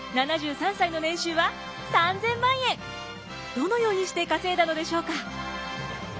どのようにして稼いだのでしょうか？